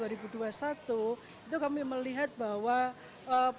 itu kami melihat bahwa potensi uangnya